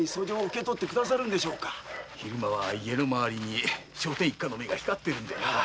昼間は家の周りに聖天一家の目が光ってるんでなあ。